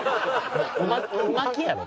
う巻きやろ？